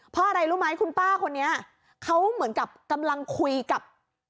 เพราะอะไรรู้ไหมคุณป้าคนนี้เขาเหมือนกับกำลังคุยกับ